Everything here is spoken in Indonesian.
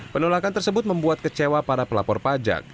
penolakan tersebut membuat kecewa para pelapor pajak